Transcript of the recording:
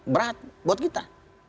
berat buat kita